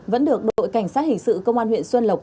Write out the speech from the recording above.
vẫn được đội cảnh sát hình sự công an huyện xuân lộc